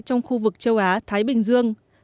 trong khu vực châu á thái bình dương